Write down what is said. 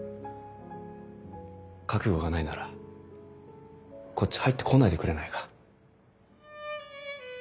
覚悟がないならこっち入ってこないでくれないか。